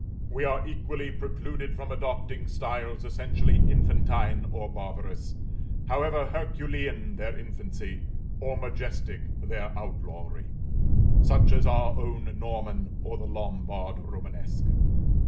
We are equally precluded from adopting styles essentially infantine or barbarous, however Herculean their infancy, or majestic their outlawry, such as our own Norman, or the Lombard Romanesque.